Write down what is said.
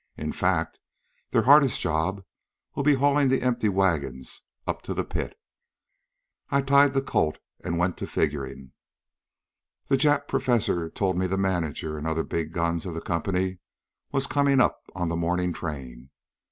In fact, their hardest job'll be haulin' the empty wagons up to the pit. Then I tied the colt an' went to figurin'. "The Jap professor'd told me the manager an' the other big guns of the company was comin' up on the mornin' train.